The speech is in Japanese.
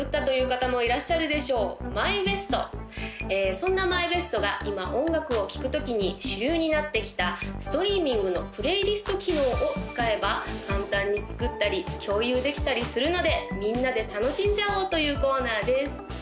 そんなＭＹＢＥＳＴが今音楽を聴くときに主流になってきたストリーミングのプレイリスト機能を使えば簡単に作ったり共有できたりするのでみんなで楽しんじゃおうというコーナーです